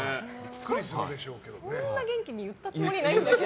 そんな元気に言ったつもりないけど。